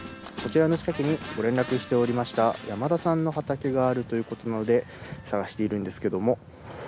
こちらの近くにご連絡しておりました山田さんの畑があるということなので探しているんですけども。